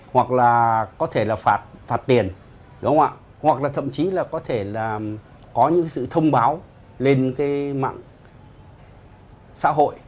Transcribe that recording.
hoặc là có thể là phạt tiền hoặc là thậm chí là có thể là có những sự thông báo lên mạng xã hội